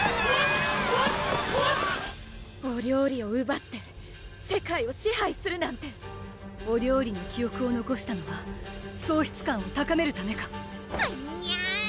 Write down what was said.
お料理をうばって世界を支配するなんてお料理の記憶をのこしたのは喪失感を高めるためかはんにゃ！